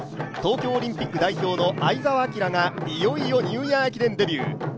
東京オリンピック代表の相澤晃がいよいよニューイヤー駅伝デビュー。